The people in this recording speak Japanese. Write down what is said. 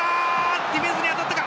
ディフェンスに当たったか。